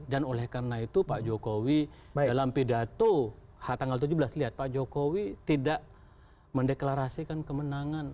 dan oleh karena itu pak jokowi dalam pidato tanggal tujuh belas lihat pak jokowi tidak mendeklarasikan kemenangan